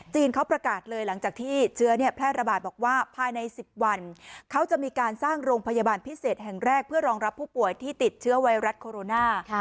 เขาประกาศเลยหลังจากที่เชื้อแพร่ระบาดบอกว่าภายใน๑๐วันเขาจะมีการสร้างโรงพยาบาลพิเศษแห่งแรกเพื่อรองรับผู้ป่วยที่ติดเชื้อไวรัสโคโรนา